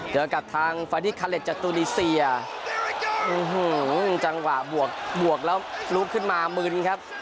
เจอกับทางฟาดี้คาเล็ตจากตูนีเซียจังหวะบวกบวกแล้วลุกขึ้นมามึนครับ